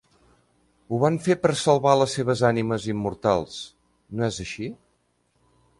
Ho van fer per a salvar les seves ànimes immortals, no és així?